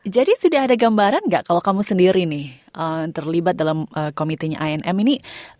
jadi sudah ada gambaran nggak kalau kamu sendiri nih terlibat dalam komitenya a m ini